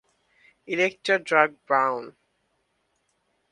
Elytra dark brown.